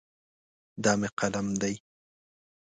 دا مې قلم دی.